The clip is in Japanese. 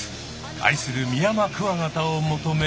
愛するミヤマクワガタを求め。